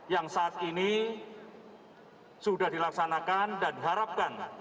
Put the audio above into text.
yang saat ini sudah dilaksanakan dan diharapkan